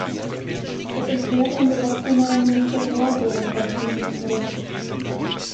Das Imperium der nationalen Ministerialbürokratien nämlich.